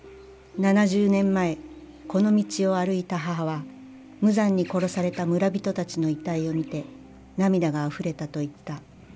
７０年前この道を歩いた母は無残に殺された村人たちの遺体を見て涙があふれたと言った。